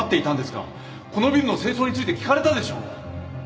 このビルの清掃について聞かれたでしょ？